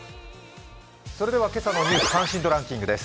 それでは今朝の「ニュース関心度ランキング」です。